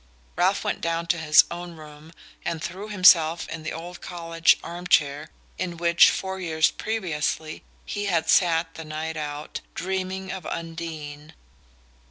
Ralph went down to his own room and threw himself in the old college arm chair in which, four years previously, he had sat the night out, dreaming of Undine.